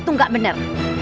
itu gak bener